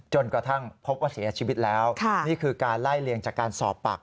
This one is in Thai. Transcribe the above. จนกระทั่งพบว่าเสียชีวิตแล้วนี่คือการไล่เลียงจากการสอบปาก